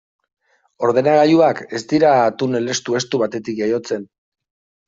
Ordenagailuak ez dira tunel estu-estu batetik jaiotzen.